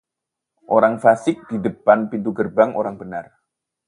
orang fasik di depan pintu gerbang orang benar.